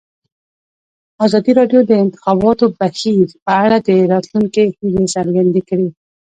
ازادي راډیو د د انتخاباتو بهیر په اړه د راتلونکي هیلې څرګندې کړې.